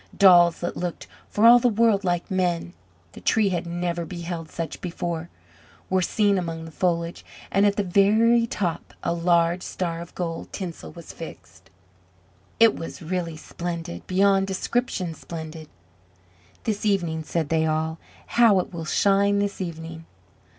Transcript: Dolls that looked for all the world like men the Tree had never beheld such before were seen among the foliage, and at the very top a large star of gold tinsel was fixed. It was really splendid beyond description splendid. "This evening!" said they all; "how it will shine this evening!"